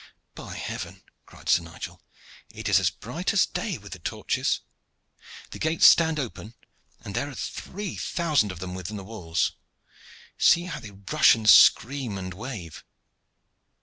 "By heaven!" cried Sir Nigel, "it is as bright as day with the torches. The gates stand open, and there are three thousand of them within the walls. See how they rush and scream and wave!